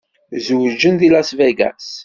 Zewǧen deg Las Vegas.